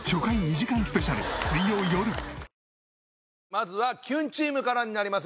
まずはキュンチームからになります。